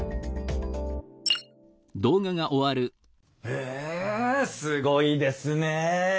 へえすごいですねえ。